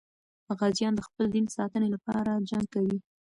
غازیان د خپل دین ساتنې لپاره جنګ کوي.